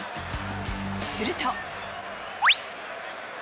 すると。